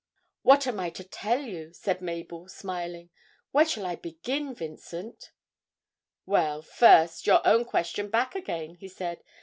'What am I to tell you?' said Mabel smiling. 'Where shall I begin, Vincent?' 'Well, first, your own question back again,' he said.